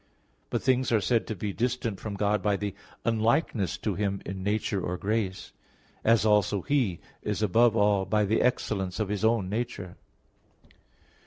But things are said to be distant from God by the unlikeness to Him in nature or grace; as also He is above all by the excellence of His own nature.